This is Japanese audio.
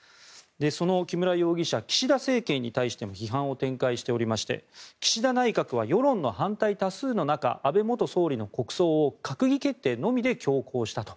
その木村容疑者岸田政権に対しても批判を展開しておりまして岸田内閣は世論の反対多数の中安倍元総理の国葬を閣議決定のみで強行したと。